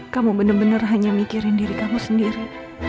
kamu bener bener hanya mikirin diri kamu sendiri